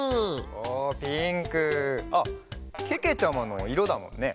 おおピンク！あっけけちゃまのいろだもんね。